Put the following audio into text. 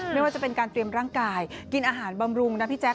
ไม่ว่าจะเป็นการเตรียมร่างกายกินอาหารบำรุงนะพี่แจ๊